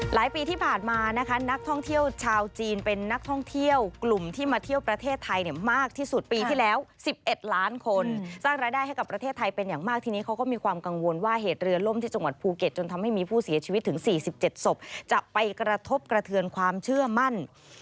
ปีที่ผ่านมานะคะนักท่องเที่ยวชาวจีนเป็นนักท่องเที่ยวกลุ่มที่มาเที่ยวประเทศไทยมากที่สุดปีที่แล้ว๑๑ล้านคนสร้างรายได้ให้กับประเทศไทยเป็นอย่างมากทีนี้เขาก็มีความกังวลว่าเหตุเรือล่มที่จังหวัดภูเก็ตจนทำให้มีผู้เสียชีวิตถึง๔๗ศพจะไปกระทบกระเทือนความเชื่อมั่น